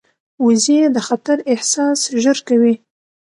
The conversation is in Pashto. وزې د خطر احساس ژر کوي